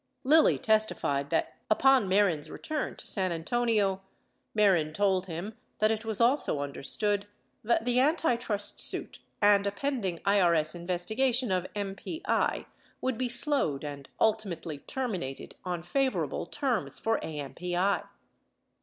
Lilly testified that upon Mehren's return to San Antonio, Mehren told him that it was also understood that the anti trust suit and a pending IRS investigation of MPI would be slowed and ultimately terminated on favorable terms for AMPI.